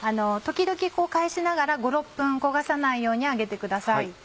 時々こう返しながら５６分焦がさないように揚げてください。